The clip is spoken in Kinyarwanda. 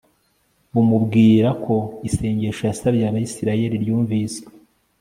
bumubwira ko isengesho yasabiye abisirayeli ryumviswe